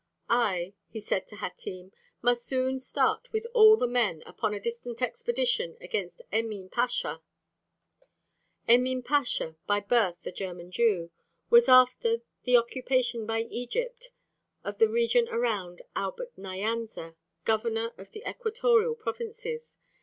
"I," he said to Hatim, "must soon start with all the men upon a distant expedition against Emin Pasha,* [* Emin Pasha, by birth a German Jew, was after the occupation by Egypt of the region around Albert Nyanza, Governor of the Equatorial Provinces.